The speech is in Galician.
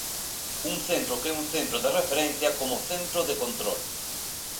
Un centro que é un centro de referencia como centro de control.